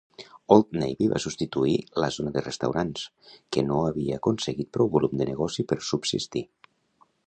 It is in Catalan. Old Navy va substituir la zona de restaurants, que no havia aconseguit prou volum de negoci per subsistir.